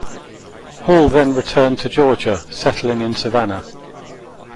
Hall then returned to Georgia, settling in Savannah.